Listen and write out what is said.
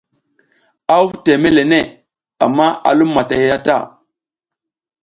A huv teme le neʼe amma a lum matay a ta.